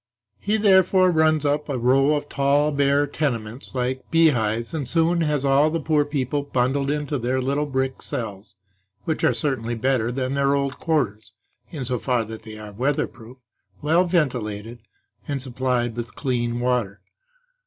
He therefore, runs up a row of tall bare tenements like beehives; and soon has all the poor people bundled into their little brick cells, which are certainly better than their old quarters, in so far as they are weather proof, well ventilated and supplied with clean water.